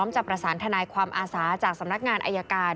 จะประสานทนายความอาสาจากสำนักงานอายการ